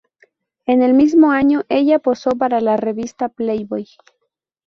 En el mismo año ella posó para la revista Playboy.